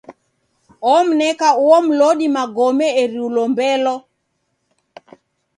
Omneka uo mlodi magome eri ulombelo.